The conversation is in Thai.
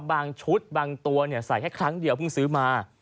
บางชุดบางตัวใส่แค่ครั้งเดียวเพิ่งซื้อมา